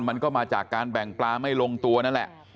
มันก็มาจากการแบ่งปลาไม่ลงตัวนั่นแหละ